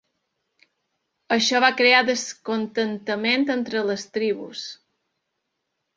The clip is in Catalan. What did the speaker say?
Això va crear descontentament entre les tribus.